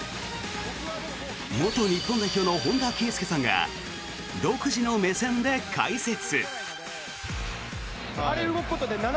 元日本代表の本田圭佑さんが独自の目線で解説。